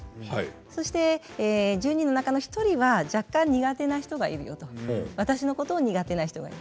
そして１０人の中の１人は若干苦手な人がいるよと私のことを苦手な人がいる。